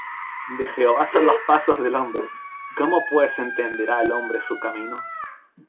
De Jehová son los pasos del hombre: ¿Cómo pues entenderá el hombre su camino?